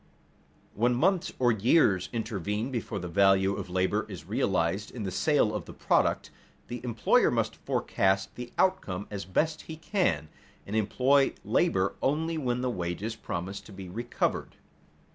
When months or years intervene before the value of the labor is realized in the sale of the product, the employer must forecast the outcome as best he can, and employ labor only when the wages promise to be recovered.